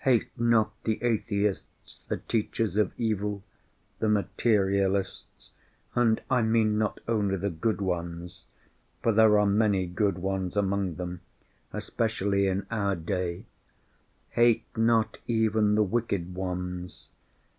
Hate not the atheists, the teachers of evil, the materialists—and I mean not only the good ones—for there are many good ones among them, especially in our day—hate not even the wicked ones.